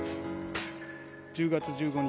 １０月１５日